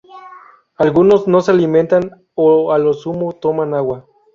Algunos no se alimentan o a lo sumo toman agua.